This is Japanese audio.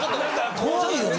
怖いよね？